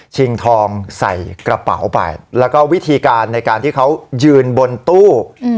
ทองใส่กระเป๋าไปแล้วก็วิธีการในการที่เขายืนบนตู้